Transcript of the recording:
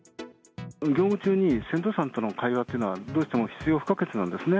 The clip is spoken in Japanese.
業務中に船頭さんとの会話っていうのは、どうしても必要不可欠なんですね。